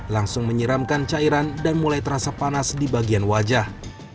langsung menyiramkan cairan dan mulai terasa panas di bagian wajah